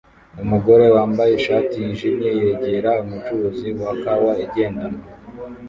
Umugore wambaye ishati yijimye yegera umucuruzi wa kawa igendanwa